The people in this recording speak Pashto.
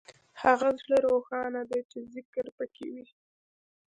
هغه زړه روښانه دی چې ذکر پکې وي.